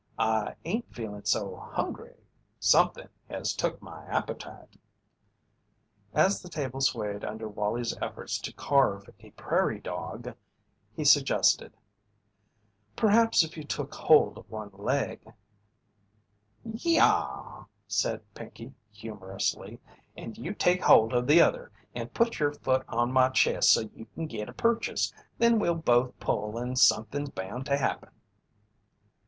"I ain't feelin' so hungry somethin' has took my appetite." As the table swayed under Wallie's efforts to carve a prairie dog, he suggested: "Perhaps if you took hold of one leg " "Ye ah," said Pinkey, humorously, "and you take holt of the other and put your foot on my chest so you kin git a purchase, then we'll both pull and somethin's bound to happen."